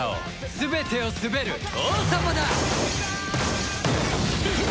全てを統べる王様だ！